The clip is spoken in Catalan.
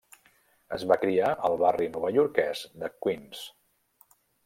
Es va criar al barri novaiorquès de Queens.